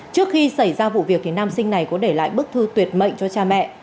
trước khi xảy ra vụ việc thì nam sinh này có để lại bức thư tuyệt mệnh cho cha mẹ